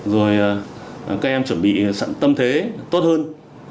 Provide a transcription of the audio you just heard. rồi các em chuẩn bị tâm thế tốt hơn